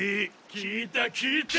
聞いた聞いた。